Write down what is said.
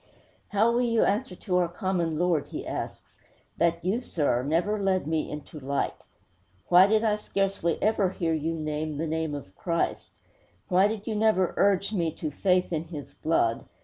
'How will you answer to our common Lord,' he asks, 'that you, sir, never led me into light? Why did I scarcely ever hear you name the name of Christ? Why did you never urge me to faith in His blood?